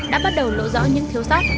đã bắt đầu lộ rõ những thiếu sát